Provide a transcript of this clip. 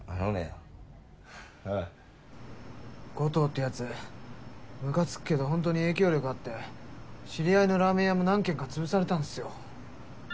Ｇ１０ってやつむかつくけどほんとに影響力あって知り合いのラーメン屋も何軒か潰されたんですよ。